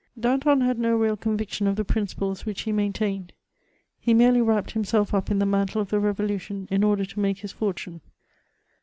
Danton had no real conviction of the principles which he maintained ; he merely wrapped himself up in the mantle of the revolution in order to make his fortune.